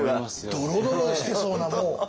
ドロドロしてそうなもう。